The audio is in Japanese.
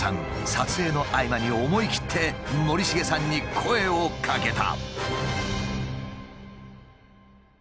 撮影の合間に思い切って森繁さんに声をかけた。